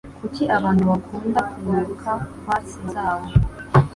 Kuki abantu bakunda kunuka farts zabo?